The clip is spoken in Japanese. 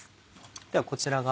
ではこちらが。